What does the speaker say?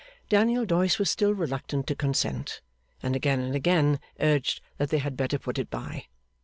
Daniel Doyce was still reluctant to consent, and again and again urged that they had better put it by.